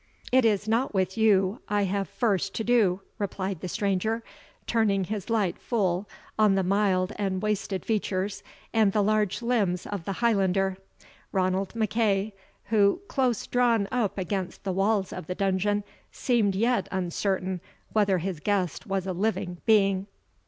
"It is not with you I have first to do," replied the stranger, turning his light full on the mild and wasted features, and the large limbs of the Highlander, Ranald MacEagh, who, close drawn up against the walls of the dungeon, seemed yet uncertain whether his guest was a living being.